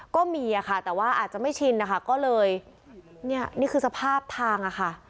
ก็มีอะค่ะแต่ว่าอาจจะไม่ชินนะคะก็เลยเนี่ยนี่คือสภาพทางอะค่ะ